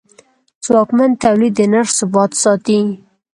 ځواکمن تولید د نرخ ثبات ساتي.